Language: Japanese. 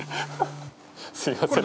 ・すいません。